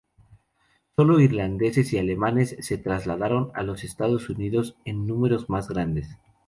Sólo irlandeses y alemanes se trasladaron a los Estados Unidos en números más grandes.